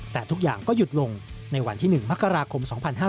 แต่ทุกอย่างก็หยุดลงในวันที่๑มกราคม๒๕๕๙